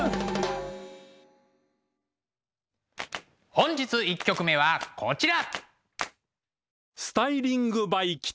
本日１曲目はこちら。